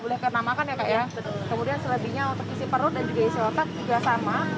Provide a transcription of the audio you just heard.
boleh kena makan ya kak ya kemudian selebihnya untuk isi perut dan juga isi otak juga sama